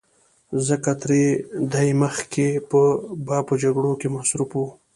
ځکه تر دې مخکې به په جګړو کې مصروف و